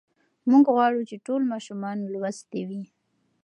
موږ غواړو چې ټول ماشومان لوستي وي.